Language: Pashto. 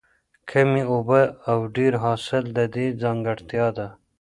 کمې اوبه او ډېر حاصل د دې ځانګړتیا ده.